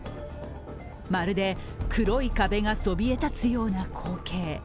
まるで黒い壁がそびえ立つような光景。